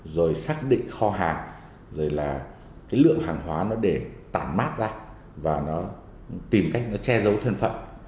rồi xác định kho hàng rồi là cái lượng hàng hóa nó để tản mát ra và nó tìm cách nó che giấu thân phận